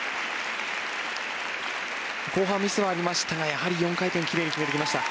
後半、ミスはありましたがやはり４回転奇麗に決めてきました。